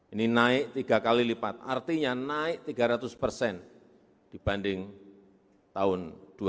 ini naik tiga kali lipat artinya naik tiga ratus persen dibanding tahun dua ribu dua puluh